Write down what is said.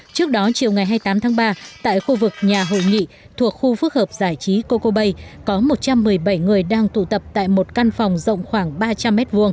trước đó chiều ngày hai mươi tám tháng ba tại khu vực nhà hội nghị thuộc khu phức hợp giải trí coco bay có một trăm một mươi bảy người đang tụ tập tại một căn phòng rộng khoảng ba trăm linh m hai